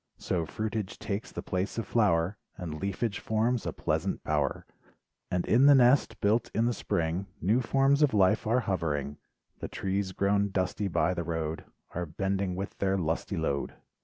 So fruitage takes the place of flower, And leafage forms a pleasant bower, And in the nest, built in the spring, New forms of life are hovering. The trees grown dusty by the road, Are bending with their lusty load.